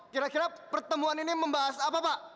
kira kira pertemuan ini membahas apa pak